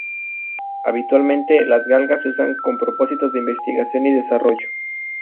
Habitualmente, las galgas se usan con propósitos de investigación y desarrollo.